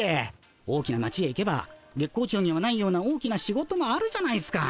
大きな町へ行けば月光町にはないような大きな仕事もあるじゃないっすか。